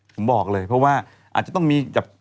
ผมบอกเลยเพราะว่าอาจจะต้องมีกับ